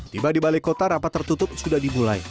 tiba di balai kota rapat tertutup sudah dimulai